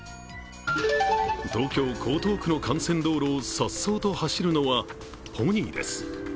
東京・江東区の幹線道路をさっそうと走るのはポニーです。